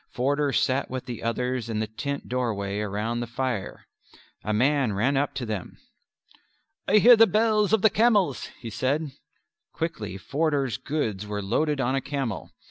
Forder sat with the others in the tent doorway round the fire. A man ran up to them. "I hear the bells of the camels," he said. Quickly Forder's goods were loaded on a camel.